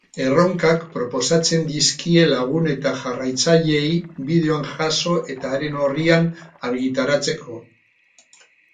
Erronkak proposatzen dizkie lagun eta jarraitzaileei, bideoan jaso eta haren orrian argitaratzeko.